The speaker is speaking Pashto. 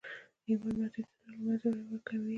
ایمان محدودیتونه له منځه وړي او ورکوي یې